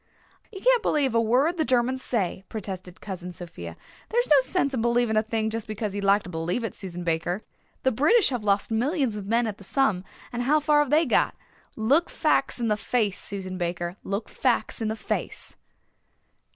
"You can't believe a word the Germans say," protested Cousin Sophia. "There is no sense in believing a thing just because you'd like to believe it, Susan Baker. The British have lost millions of men at the Somme and how far have they got? Look facts in the face, Susan Baker, look facts in the face."